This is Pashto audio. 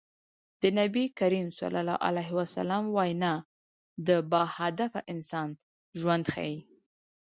د نبي کريم ص وينا د باهدفه انسان ژوند ښيي.